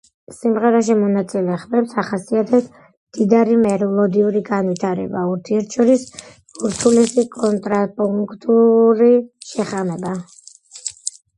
სიმღერაში მონაწილე ხმებს ახასიათებს მდიდარი მელოდიური განვითარება, ურთიერთშორის ურთულესი კონტრაპუნქტული შეხამება.